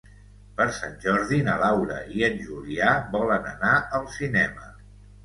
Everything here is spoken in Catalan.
Per Sant Jordi na Laura i en Julià volen anar al cinema.